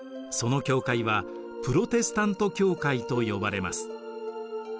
その教会はプロテスタント教会と呼ばれます。